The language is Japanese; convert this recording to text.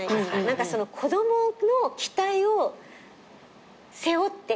何かその子供の期待を背負って。